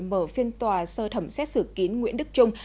mở phiên tòa sơ thẩm xét xử kín nguyễn đức trung